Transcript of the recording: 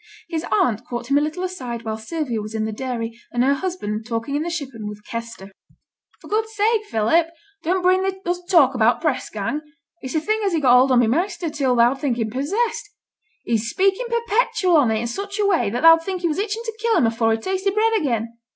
His aunt caught him a little aside while Sylvia was in the dairy, and her husband talking in the shippen with Kester. 'For good's sake, Philip, dunnot thee bring us talk about t' press gang. It's a thing as has got hold on my measter, till thou'd think him possessed. He's speaking perpetual on it i' such a way, that thou'd think he were itching to kill 'em a' afore he tasted bread again.